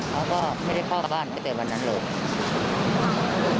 เขาก็ไม่ได้เข้ากลับบ้านไปเต็มวันนั้นหรอก